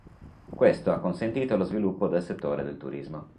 Questo ha consentito lo sviluppo del settore del turismo.